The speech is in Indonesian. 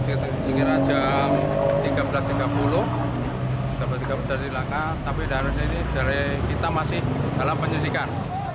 sekitar jam tiga belas tiga puluh sampai tiga belas tiga puluh laka tapi darahnya ini kita masih dalam penyelidikan